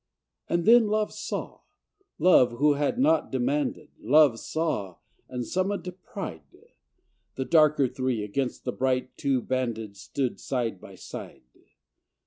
And then Love saw; Love, who had naught demanded, Love saw, and summoned Pride: The darker three, against the bright two banded, Stood side by side.